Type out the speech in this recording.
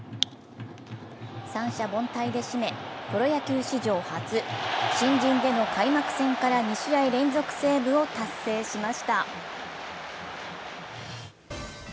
三者凡退で締め、プロ野球史上初、新人での開幕戦から２試合連続セーブを達成しました。